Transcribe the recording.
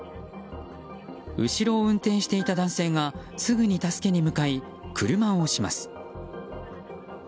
後ろを運転していた男性がすぐに助けに向かい車を押します。